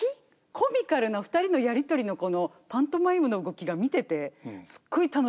コミカルな２人のやり取りのこのパントマイムの動きが見ててすっごい楽しい。